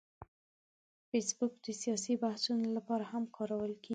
فېسبوک د سیاسي بحثونو لپاره هم کارول کېږي